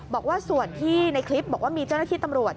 บอกว่าส่วนที่ในคลิปบอกว่ามีเจ้าหน้าที่ตำรวจ